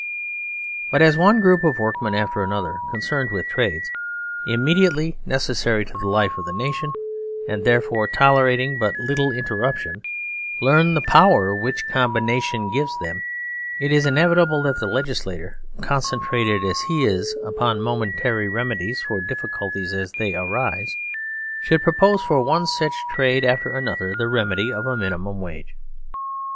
But as one group of workmen after another, con cerned with trades immediately necessary to the life of the nation, and therefore tolerating but little inter ruption, learn the power which combination gives them, it is inevitable that the legislator (concentrated as he is upon momentary remedies for difficulties as they arise) should propose for one such trade after an other the remedy of a minimum wage.